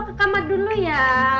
ke kamar dulu ya